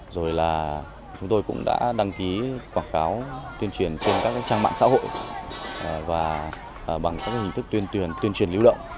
rồi là chúng tôi cũng đã đăng ký quảng cáo tuyên truyền trên các trang mạng xã hội và bằng các hình thức tuyên truyền tuyên truyền lưu động